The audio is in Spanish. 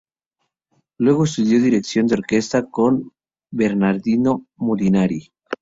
Luego estudió dirección de orquesta con Bernardino Molinari.